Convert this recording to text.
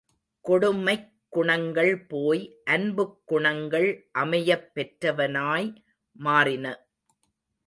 கொடுமைக் குணங்கள் போய் அன்புக் குணங்கள் அமையப் பெற்றனவாய் மாறின.